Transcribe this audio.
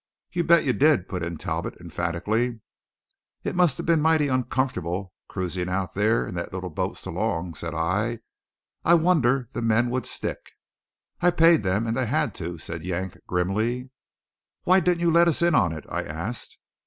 "You bet you did," put in Talbot emphatically. "It must have been mighty uncomfortable cruising out there in that little boat so long," said I. "I wonder the men would stick." "I paid them and they had to," said Yank grimly. "Why didn't you let us in on it?" I asked.